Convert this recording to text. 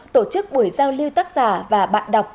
tổ chức buổi giao lưu tác giả và bạn đọc